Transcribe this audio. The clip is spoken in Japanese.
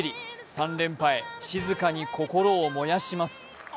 ３連覇へ静かに心を燃やします。